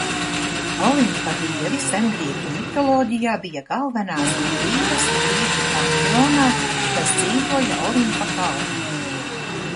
Olimpa dievi sengrieķu mitoloģijā bija galvenās dievības grieķu panteonā, kas dzīvoja Olimpa kalnā.